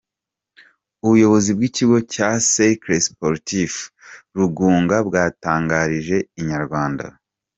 Ubuyobozi bw’ ikigo cya Cercle Sportif Rugunga bwatangarije Inyarwanda.